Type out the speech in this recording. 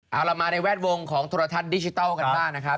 เอาล่ะมาในแวดวงของโทรทัศน์ดิจิทัลกันบ้างนะครับ